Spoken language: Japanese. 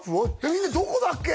みんなどこだっけ？